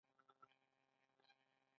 د قشقري د تیلو بلاک استخراج کیږي.